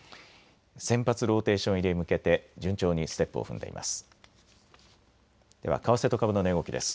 先発ローテーション入りへ向けて順調にステップを踏んでいます。